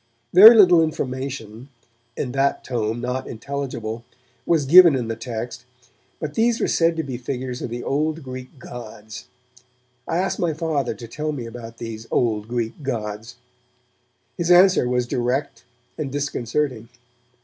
Very little information, and that tome not intelligible, was given in the text, but these were said to be figures of the old Greek gods. I asked my Father to tell me about these 'old Greek gods'. His answer was direct and disconcerting.